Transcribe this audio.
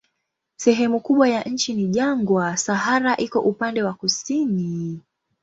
Sehemu kubwa ya nchi ni jangwa, Sahara iko upande wa kusini.